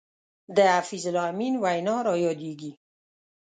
د حفیظ الله امین وینا را یادېږي.